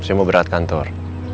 saya mau berat kantor